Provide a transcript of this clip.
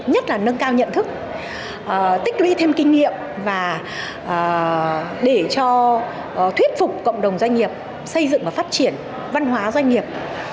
nhất là nâng cao nhận thức tích ly thêm kinh nghiệm và để cho thuyết phục cộng đồng doanh nghiệp xây dựng và phát triển văn hóa doanh nghiệp